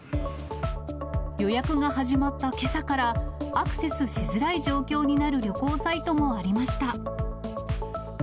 予約が始まったけさから、アクセスしづらい状況になる旅行サイトもありました。